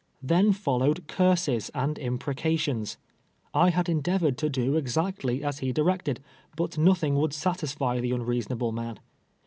Then followed curses and imprecations. I liad endeavored to do ex actly as he directed, but nothing would satisfy the un reasonable man.